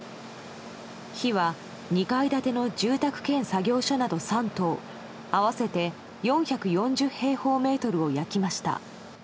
火は２階建ての住宅兼作業所など３棟合わせて４４０平方メートルを焼きました。